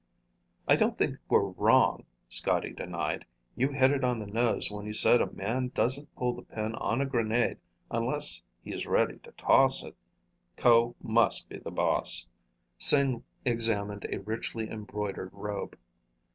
"I don't think we're wrong," Scotty denied. "You hit it on the nose when you said a man doesn't pull the pin on a grenade unless he's ready to toss it. Ko must be the boss." Sing examined a richly embroidered robe.